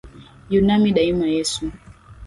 Yu nami daima Yesu.